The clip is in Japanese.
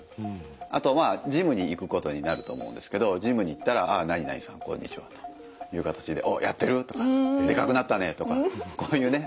あとまあジムに行くことになると思うんですけどジムに行ったらああ何々さんこんにちはという形で「おっやってる？」とか「でかくなったね」とかこういうね